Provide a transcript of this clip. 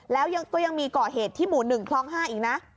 แล้วก็ยังมีก่อเหตุที่หมู่๑คลอง๕อีกนะ